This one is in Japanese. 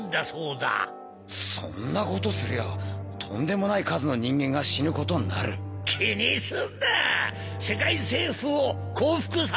そんなことすりゃとんでもない数の人間が死ぬことになる気にすんな世界政府を降伏させるためだ